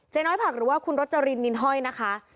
น้อยผักหรือว่าคุณรจรินนินห้อยนะคะ